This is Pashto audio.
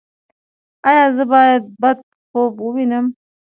ایا زه باید بد خوب ووینم؟